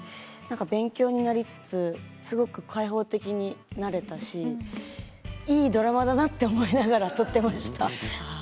勉強になりつつすごく開放的になれたしいいドラマだと思いながら撮っていました。